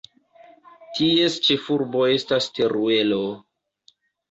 Ties ĉefurbo estas Teruelo.